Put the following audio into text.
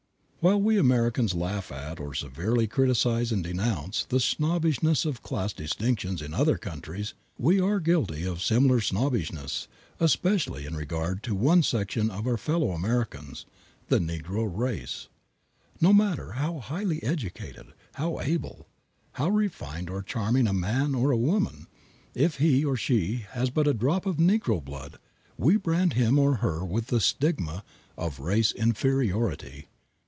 While we Americans laugh at, or severely criticize and denounce, the snobbishness of class distinctions in other countries, we are guilty of similar snobbishness, especially in regard to one section of our fellow Americans the Negro race. No matter how highly educated, how able, how refined or charming a man or a woman, if he or she has but a drop of Negro blood, we brand him or her with the stigma of race inferiority.